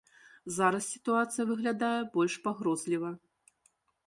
Зараз сітуацыя выглядае больш пагрозліва.